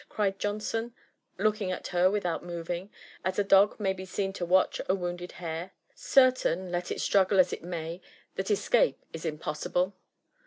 cried Johnson, looking at her without moving, as a dog may be seen to watch a wounded hare, cer tain, let it struggle as it may, that escape is impossible.